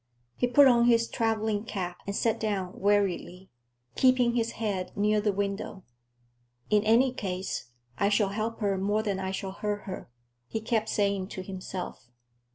He put on his traveling cap and sat down wearily, keeping his head near the window. "In any case, I shall help her more than I shall hurt her," he kept saying to himself.